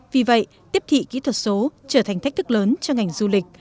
vì vậy tiếp thị kỹ thuật số trở thành thách thức lớn cho ngành du lịch